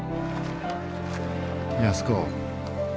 安子。